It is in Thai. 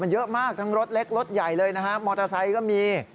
เยอะมากทั้งรถเล็กรถใหญ่เลยนะฮะมอเตอร์ไซค์ก็มี